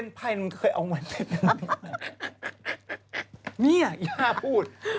เนี่ยอีย่าพูด